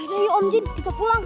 udah yuk om jin kita pulang